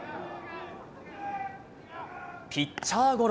ピッチャーゴロ。